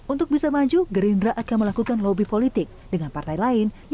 untuk bisa maju gerindra akan melakukan lobby politik dengan partai lain